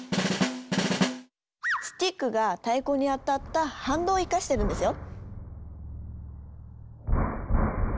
スティックが太鼓に当たった反動を生かしてるんですよ。